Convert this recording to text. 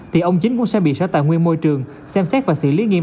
thì ông chính cũng sẽ bị sở tài nguyên môi trường xem xét và xử lý nghiêm